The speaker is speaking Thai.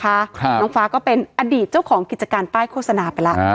ครับน้องฟ้าก็เป็นอดีตเจ้าของกิจการป้ายโฆษณาไปแล้วอ่า